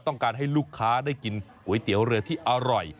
ต้องการให้ลูกค้าได้กินก๋วยเตี๋ยวเรือที่อร่อย